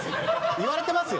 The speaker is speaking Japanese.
言われてますよ？